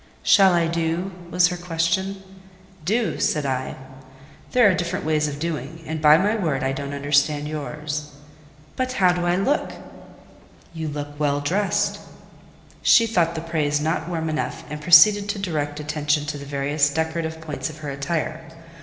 "Shall I do?" was her question. "Do?" said I. "There are different ways of doing; and, by my word, I don't understand yours." "But how do I look?" "You look well dressed." She thought the praise not warm enough, and proceeded to direct attention to the various decorative points of her attire.